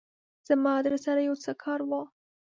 زما درسره يو څه کار وو